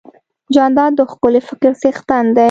جانداد د ښکلي فکر څښتن دی.